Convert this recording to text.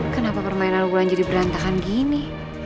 kenapa permainan bulan jadi berantakan gini